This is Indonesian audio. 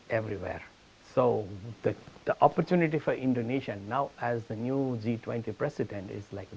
jadi kesempatan untuk indonesia sekarang sebagai presiden g dua puluh baru